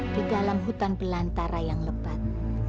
di dalam hutan belantara yang lebat